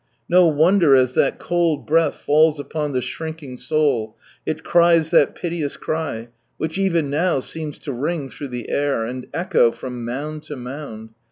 No wonder, as that cold breath falls upon the shrinking soul, it cries that jjiteous cry which even now seems to ring through the air, and echo from mound to mound.